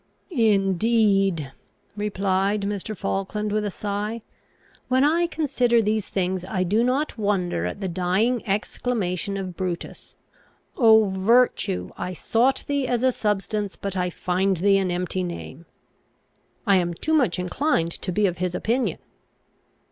"Indeed," replied Mr. Falkland, with a sigh, "when I consider these things I do not wonder at the dying exclamation of Brutus, 'O Virtue, I sought thee as a substance, but I find thee an empty name!' I am too much inclined to be of his opinion."